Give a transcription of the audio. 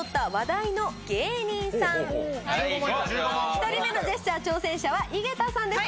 １人目のジェスチャー挑戦者は井桁さんです。